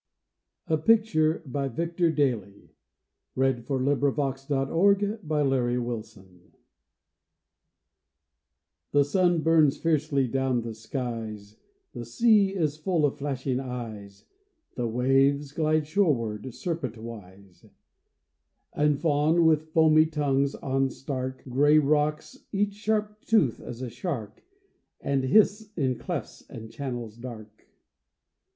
fairer Flora, Serene, immortal, by the strand Of clear Narora. A PICTURE THE sun burns fiercely down the skies ; The sea is full of flashing eyes ; The waves glide shoreward serpentwise And fawn with foamy tongues on stark Gray rocks, each sharp toothed as a shark, And hiss in clefts and channels dark.